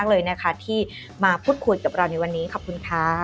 ขอบคุณนะครับผม